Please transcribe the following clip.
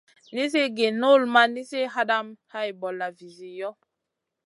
Nizi gi null ma nizi hadamèh hay bolla vizi yoh.